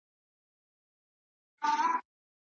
تاسو بايد د خپلې ټولنې د غړو ترمنځ مينه پېدا کړئ.